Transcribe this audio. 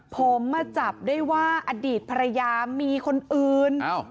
ผมมาจับได้ว่าอดีตภรรยามีคนอื่น